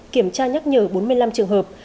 kiểm tra nhắc nhở bốn mươi năm trường hợp